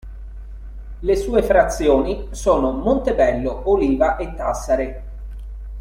Le sue frazioni sono Montebello, Oliva e Tassare.